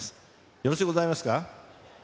よろしゅうございますか。